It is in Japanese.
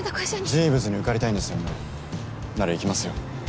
ジーヴズに受かりたいんですよねなら行きますよ。